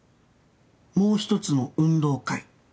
『もうひとつの運動会』。